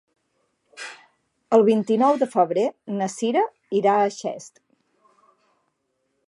El vint-i-nou de febrer na Cira irà a Xest.